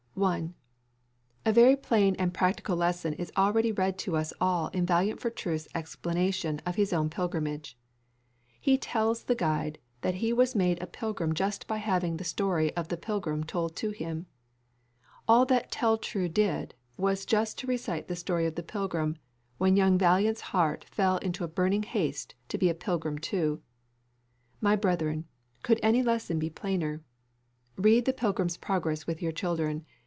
1. A very plain and practical lesson is already read to us all in Valiant for truth's explanation of his own pilgrimage. He tells the guide that he was made a pilgrim just by having the story of The Pilgrim told to him. All that Tell true did was just to recite the story of the pilgrim, when young Valiant's heart fell into a burning haste to be a pilgrim too. My brethren, could any lesson be plainer? Read the Pilgrim's Progress with your children.